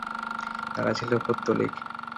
তারা ছিল পৌত্তলিক।